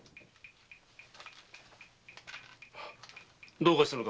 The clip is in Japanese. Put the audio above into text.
どうかしたのか？